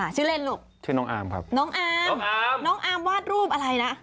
ชื่อเล่นลูกชื่อน้องอาร์มครับน้องอาร์มน้องอาร์มวาดรูปอะไรนะ